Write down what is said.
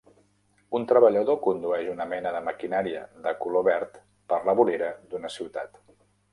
Un treballador condueix una mena de maquinària de color verd per la vorera d'una ciutat.